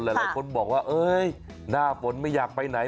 หลายคนบอกว่าหน้าฝนไม่อยากไปไหน